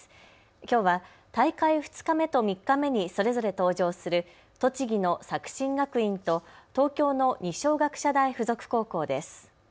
きょうは大会２日目と３日目にそれぞれ登場する栃木の作新学院と東京の二松学舎大付属高校です。